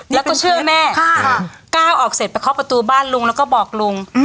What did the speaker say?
แล้วก็เชื่อแม่ก้าวออกเสร็จไปเคาะประตูบ้านลุงแล้วก็บอกลุง